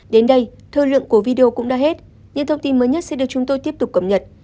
đến đây thơ lượng của video cũng đã hết những thông tin mới nhất sẽ được chúng tôi tiếp tục cập nhật